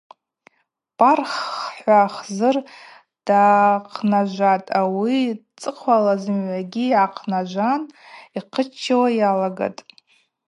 Парх-х – хӏва Хзыр дгӏахънажватӏ, ауи йцӏыхъвала зымгӏвагьи гӏахънажван йхъыччауа йалагатӏ.